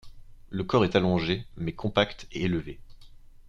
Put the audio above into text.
Le corps est allongé, mais compact et élevé.